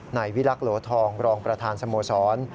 นายวิลักษโหลทองรองประธานสโมสร